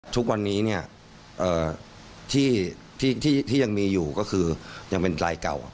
ทุกวันนี้เนี่ยที่ยังมีอยู่ก็คือยังเป็นรายเก่า